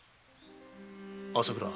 朝倉。